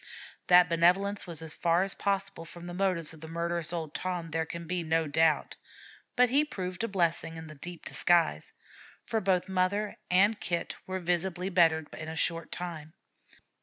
That benevolence was as far as possible from the motives of the murderous old Tom there can be no doubt; but he proved a blessing in deep disguise, for both mother and Kit were visibly bettered in a short time.